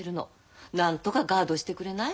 なんとかガードしてくれない？